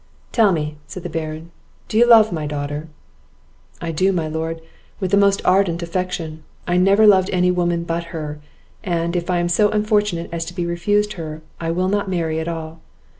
"Tell me," said the Baron, "do you love my daughter?" "I do, my lord, with the most ardent affection; I never loved any woman but her; and, if I am so unfortunate as to be refused her, I will not marry at all.